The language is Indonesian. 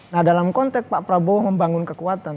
nah dalam konteks pak prabowo membangun kekuatan